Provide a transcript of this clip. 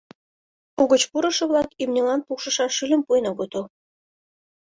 Угыч пурышо-влак имньылан пукшышаш шӱльым пуэн огытыл.